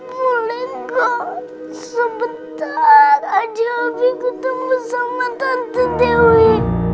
boleh gak sebentar aja abis ketemu sama tante dewi